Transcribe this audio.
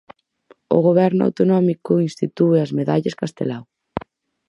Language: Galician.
O goberno autonómico institúe as Medallas Castelao.